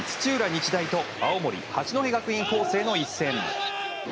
日大と青森・八戸学院光星の一戦。